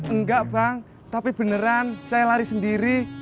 enggak bang tapi beneran saya lari sendiri